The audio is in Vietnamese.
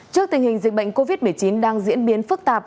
trước tình hình dịch bệnh covid một mươi chín đang diễn biến phức tạp